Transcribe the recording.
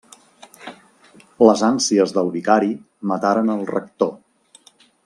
Les ànsies del vicari mataren el rector.